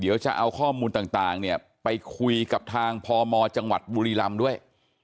เดี๋ยวจะเอาข้อมูลต่างเนี่ยไปคุยกับทางพมจังหวัดบุรีรำด้วย